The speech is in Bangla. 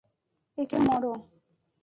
এখানে থেকে মরো।